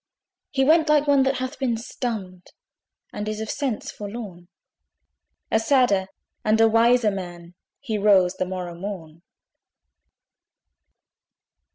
He went like one that hath been stunned, And is of sense forlorn: A sadder and a wiser man, He rose the morrow morn.